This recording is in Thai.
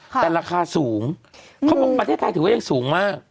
แต่ราคาสูงเขาบอกประเทศไทยถือว่ายังสูงมาก